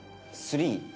スリー。